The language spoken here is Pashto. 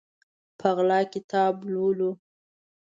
په غلا کتاب لولو